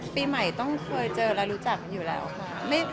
ปีใหม่ต้องเคยเจอและรู้จักอยู่แล้วค่ะ